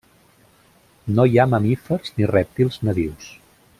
No hi ha mamífers ni rèptils nadius.